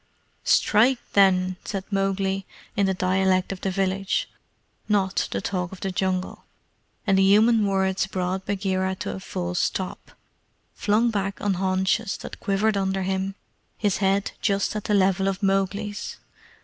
"Strike, then!" said Mowgli, in the dialect of the village, NOT the talk of the Jungle, and the human words brought Bagheera to a full stop, flung back on haunches that quivered under him, his head just at the level of Mowgli's.